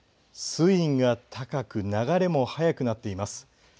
水位が高く流れも速くなっています。